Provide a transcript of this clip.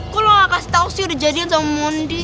kok lo gak kasih tau sih udah jadian sama mondi